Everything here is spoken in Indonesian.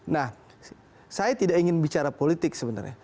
nah saya tidak ingin bicara politik sebenarnya